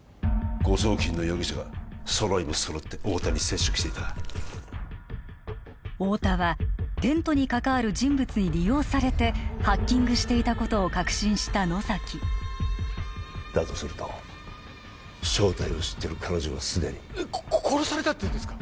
誤送金の容疑者が揃いも揃って太田に接触していた太田はテントに関わる人物に利用されてハッキングしていたことを確信した野崎だとすると正体を知ってる彼女は既にえっ殺されたっていうんですか？